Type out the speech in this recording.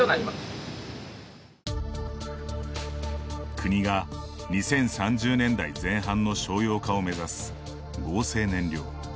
国が２０３０年代前半の商用化を目指す合成燃料。